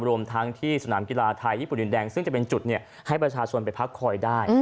รวมทั้งที่สนามกีฬาไทยญี่ปุ่นดินแดงซึ่งจะเป็นจุดให้ประชาชนไปพักคอยได้